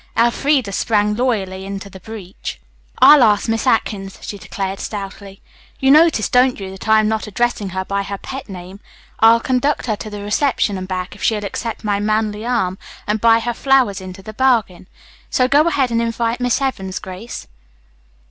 Elfreda sprang loyally into the breach. "I'll ask Miss Atkins," she declared stoutly. "You notice, don't you, that I am not addressing her by her pet name? I'll conduct her to the reception and back, if she'll accept my manly arm, and buy her flowers into the bargain. So go ahead and invite Miss Evans, Grace."